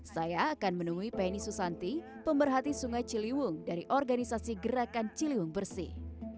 saya akan menemui penny susanti pemberhati sungai ciliwung dari organisasi gerakan ciliwung bersih